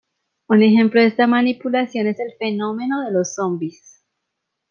Un ejemplo de esta manipulación es el fenómeno de los zombis.